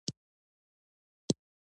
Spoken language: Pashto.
په دې منځ کي باندی تېر سوله کلونه